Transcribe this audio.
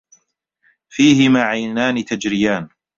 فيهِما عَينانِ تَجرِيانِ